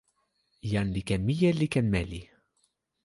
jan li ken mije li ken meli.